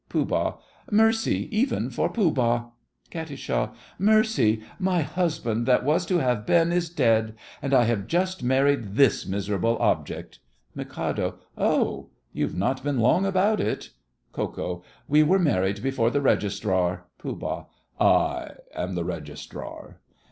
POOH. Mercy even for Pooh Bah. KAT. Mercy! My husband that was to have been is dead, and I have just married this miserable object. MIK. Oh! You've not been long about it! KO. We were married before the Registrar. POOH. I am the Registrar.